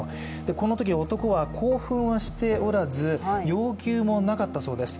このとき、男は興奮はしておらず、要求もなかったそうです。